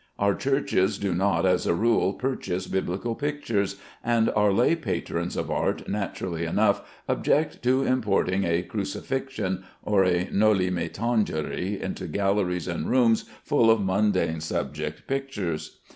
Our churches do not, as a rule, purchase Biblical pictures, and our lay patrons of art naturally enough object to importing a "Crucifixion" or a "Noli me Tangere" into galleries and rooms full of mundane subject pictures.